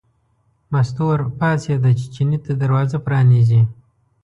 مستو ور پاڅېده چې چیني ته دروازه پرانیزي.